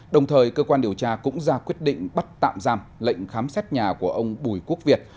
đồng thời cơ quan điều tra cũng ra quyết định bắt tạm giam lệnh khám xét nhà của ông bùi quốc việt